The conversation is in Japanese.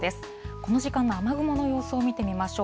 この時間の雨雲の様子を見てみましょう。